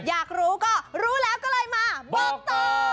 อยากรู้ก็รู้แล้วก็เลยมาบอกต่อ